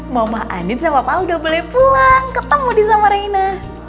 mama anit sama pao udah boleh pulang ketemu di sama reina